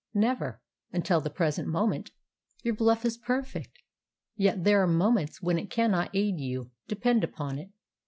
"Never, until the present moment. Your bluff is perfect, yet there are moments when it cannot aid you, depend upon it.